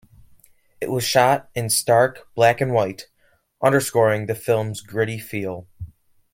It was shot in stark black-and-white, underscoring the film's gritty feel.